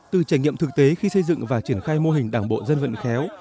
từ trải nghiệm thực tế khi xây dựng và triển khai mô hình đảng bộ dân vận khéo